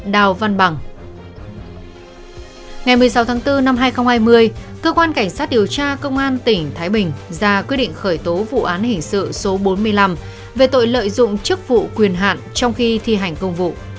từ năm hai nghìn hai mươi cơ quan cảnh sát điều tra công an tỉnh thái bình ra quyết định khởi tố vụ án hình sự số bốn mươi năm về tội lợi dụng chức vụ quyền hạn trong khi thi hành công vụ